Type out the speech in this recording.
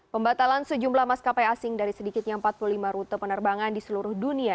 pembatalan sejumlah maskapai asing dari sedikitnya empat puluh lima rute penerbangan di seluruh dunia